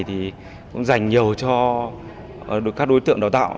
trang bị này cũng dành nhiều cho các đối tượng đào tạo